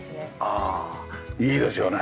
ああいいですよね。